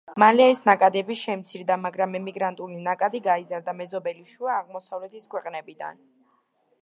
მალე ეს ნაკადები შემცირდა, მაგრამ ემიგრანტული ნაკადი გაიზარდა მეზობელი შუა აღმოსავლეთის ქვეყნებიდან.